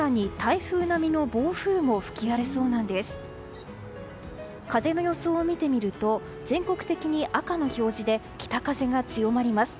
風の予想を見てみると全国的に赤の表示で北風が強まります。